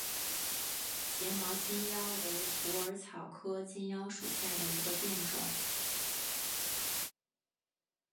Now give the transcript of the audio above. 睫毛金腰为虎耳草科金腰属下的一个变种。